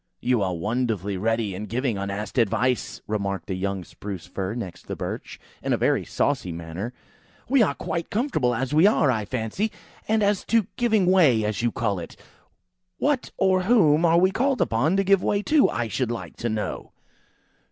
"You are wonderfully ready in giving unasked advice!" remarked the young Spruce fir next the Birch, in a very saucy manner. "We are quite comfortable as we are, I fancy; and as to giving way, as you call it, what, or whom are we called upon to give way to, I should like to know?"